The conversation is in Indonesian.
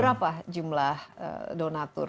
berapa jumlah donatur